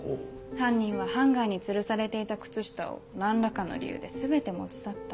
犯人はハンガーにつるされていた靴下を何らかの理由で全て持ち去った。